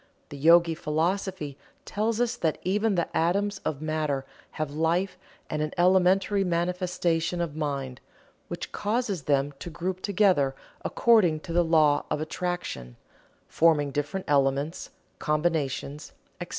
The Yogi philosophy tells us that even the atoms of matter have life and an elementary manifestation of mind, which causes them to group together according to the law of attraction, forming different elements, combinations, etc.